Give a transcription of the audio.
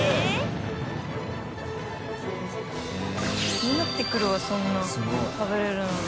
気になってくるわそんな食べれるなんて。